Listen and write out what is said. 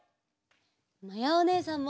まやおねえさんも。